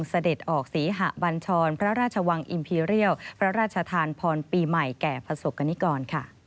เสด็จออกศรีหะบัญชรพระราชวังอิมพีเรียลพระราชทานพรปีใหม่แก่ประสบกรณิกร